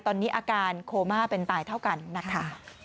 ตอนนี้อาการโคม่าเป็นตายเท่ากันนะคะ